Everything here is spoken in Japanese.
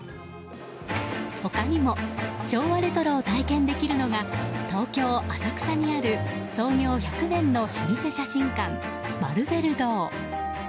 他にも昭和レトロを体験できるのが東京・浅草にある創業１００年の老舗写真館マルベル堂。